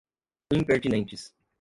impertinentes